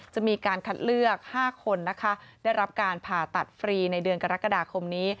จะมีการคัดเลือก๕คนนะคะได้รับการผ่าตัดฟรีในเดือนกรกฎาคมนี้